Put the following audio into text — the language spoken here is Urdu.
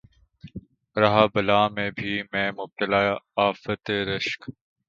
رہا بلا میں بھی میں مبتلائے آفت رشک